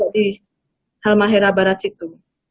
di halmahera barat situ